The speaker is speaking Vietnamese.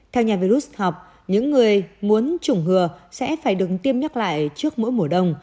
theo nhà virus học những người muốn chủng hừa sẽ phải được tiêm nhắc lại trước mỗi mùa đông